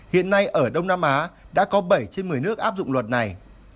hiện nay ở đông nam á đã có bảy trên một mươi nước áp dụng luật này